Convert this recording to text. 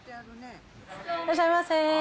いらっしゃいませ。